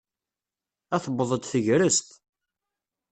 A tewweḍ-d tegrest.